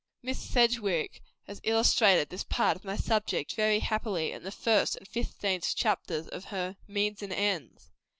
Miss Sedgwick has illustrated this part of my subject very happily in the first and fifteenth chapters of her "Means and Ends."